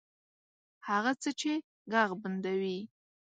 هغه څه چې ږغ بندوي